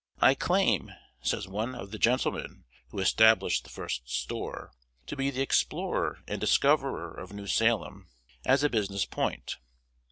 "I claim," says one of the gentlemen who established the first store, "to be the explorer and discoverer of New Salem as a business point.